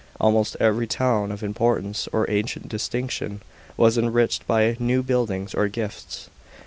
Almost every town ot importance or ancient dis tinction was enriched by new buildings or gifts.